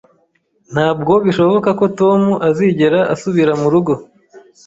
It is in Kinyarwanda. Ntabwo bishoboka ko Tom azigera asubira murugo